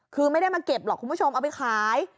คือไม่ได้มาเก็บหรอกคุณผู้ชมเอาไปขาย